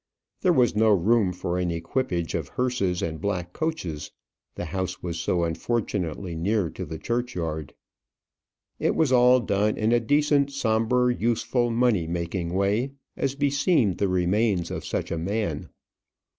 There was no room for an equipage of hearses and black coaches, the house was so unfortunately near to the churchyard. It was all done in a decent, sombre, useful, money making way, as beseemed the remains of such a man.